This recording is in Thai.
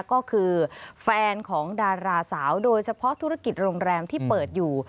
ก็คือแฟนของดาราสาวโดยเฉพาะธุรกิจโรงแรมที่เปิดอยู่